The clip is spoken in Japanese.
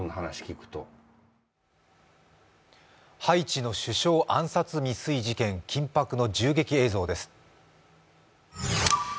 ハイチの首相暗殺未遂事件、緊迫の銃撃映像です。